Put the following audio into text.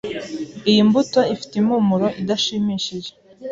Iyi mbuto ifite impumuro idashimishije.